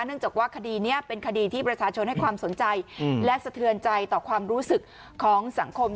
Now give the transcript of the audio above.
จากว่าคดีนี้เป็นคดีที่ประชาชนให้ความสนใจและสะเทือนใจต่อความรู้สึกของสังคม